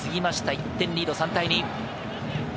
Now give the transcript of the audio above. １点リード、３対２。